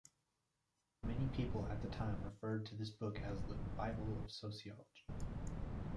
Many people at the time referred to this book as the "Bible of Sociology".